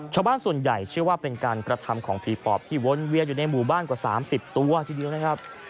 ชาวบ้านส่วนใหญ่เชื่อว่าเป็นการกระทำของผีปอบที่วนเวียนอยู่ในหมู่บ้านกว่า๓๐ตัวทีเดียวนะครับ